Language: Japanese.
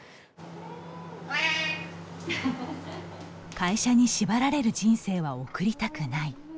会社に縛られる人生は送りたくない。